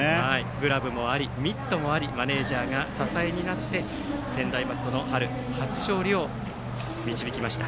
グラブもありミットもありマネージャーが支えになって専大松戸の春初勝利を導きました。